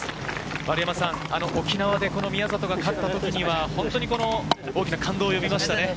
沖縄で宮里が勝ったときには、大きな感動を呼びましたね。